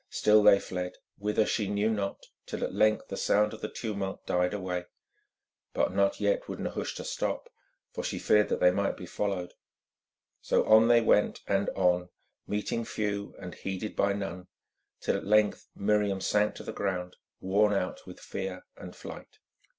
Still they fled, whither she knew not, till at length the sound of the tumult died away. But not yet would Nehushta stop, for she feared that they might be followed. So on they went, and on, meeting few and heeded by none, till at length Miriam sank to the ground, worn out with fear and flight.